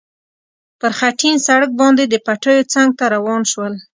پر خټین سړک باندې د پټیو څنګ ته روان شول.